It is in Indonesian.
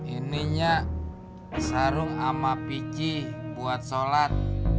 ini nyak sarung sama pici buat sholat